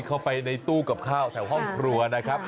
เข้าไปในตู้กับข้าวแถวห้องครัวนะครับ